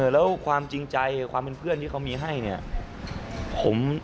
แล้วความจริงใจความเป็นเพื่อนที่เขามีให้เนี่ย